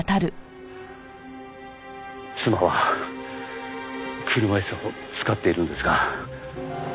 妻は車椅子を使っているんですが。